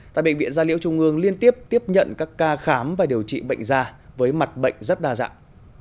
tại bệnh viện gia liễu trung ương liên tiếp tiếp nhận các ca khám và điều trị bệnh da với mặt bệnh rất đa dạng